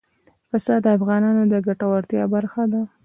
پسه د افغانانو د ګټورتیا برخه ده.